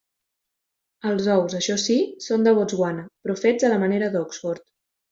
Els ous, això sí, són de Botswana, però fets a la manera d'Oxford.